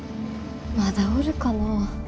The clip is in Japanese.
まだおるかなぁ。